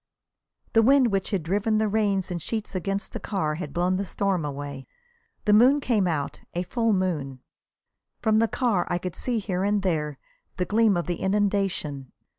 The wind which had driven the rain in sheets against the car had blown the storm away. The moon came out, a full moon. From the car I could see here and there the gleam of the inundation.